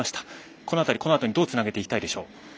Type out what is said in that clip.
この辺りどうつなげていきたいでしょう？